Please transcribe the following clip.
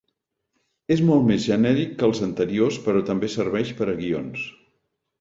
És molt més genèric que els anteriors però també serveix per a guions.